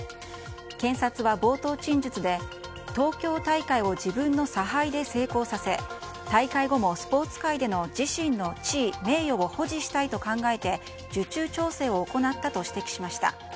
検察は冒頭陳述で東京大会を自分の差配で成功させ大会後もスポーツ界での自身の地位・名誉を保持したいと考えて受注調整を行ったと指摘しました。